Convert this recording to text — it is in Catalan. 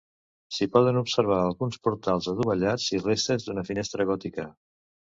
S'hi poden observar alguns portals adovellats i restes d'una finestra gòtica.